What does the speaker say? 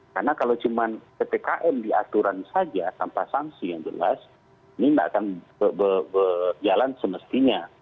karena kalau dpkm cuman di aturan saja tanpa sanksi yang jelas ini tidak akan berjalan semestinya